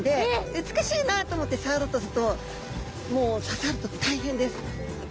美しいなと思って触ろうとするともう刺さると大変です。